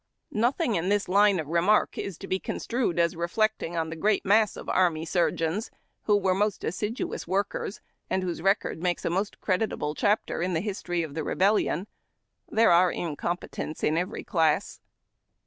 Nothino in this line of remark is to be construed as reflectino'on the great mass of army surgeons, who were most assiduous workers, and whose record makes a most creditable chapter in the history of the Rebellion. There are incompetents in every class.